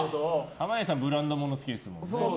濱家さんブランドもの好きですもんね。